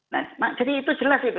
nah jadi itu jelas itu